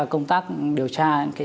công tác điều tra